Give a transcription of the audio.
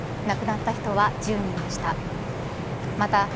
亡くなった人は１０人でした。